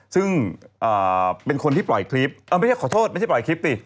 ซึ่งเป็นคนที่ปล่อยคลิปไม่ใช่ขอโทษไม่ใช่ปล่อยคลิปสิ